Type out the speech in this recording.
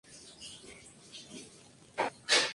Director General de Universidades e Investigación.